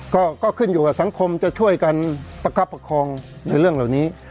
ก็ขึ้นอยู่กับสังคมจะช่วยกันประคับประคองในเรื่องเหล่านี้